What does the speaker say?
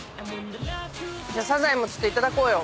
じゃあサザエもちょっといただこうよ。